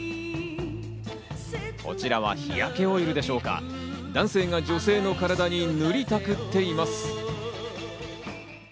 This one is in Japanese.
こちらは日焼けオイルでしょうか、男性が女性の体に塗りたくっています。